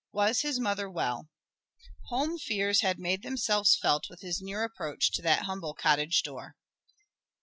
Was his mother well? Home fears had made themselves felt with his near approach to that humble cottage door.